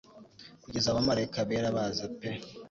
Kugeza abamarayika bera baza pe